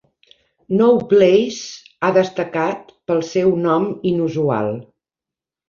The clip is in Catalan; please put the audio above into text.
No Place ha destacat pel seu nom inusual.